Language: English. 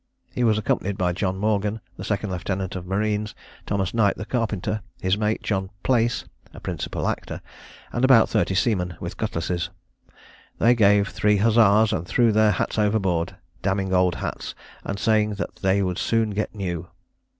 He was accompanied by John Morgan, the second lieutenant of marines, Thomas Knight the carpenter, his mate John Place (a principal actor), and about thirty seamen with cutlasses. They then gave three huzzas, and threw their hats overboard; damning old hats, and saying that they would soon get new.